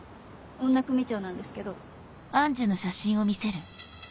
女組長なんですけど。